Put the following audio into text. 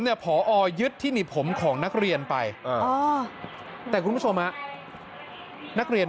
ผอยึดที่หนีบผมของนักเรียนไปแต่คุณผู้ชมนักเรียน